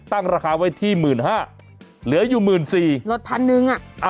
ราคาไว้ที่หมื่นห้าเหลืออยู่หมื่นสี่รถพันหนึ่งอ่ะ